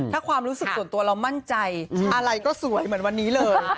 ถ้าความรู้สึกส่วนตัวเรามั่นใจอะไรก็สวยเหมือนวันนี้เลย